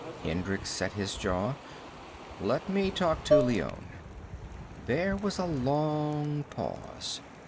Hendricks set his jaw. "Let me talk to Leone." There was a long pause.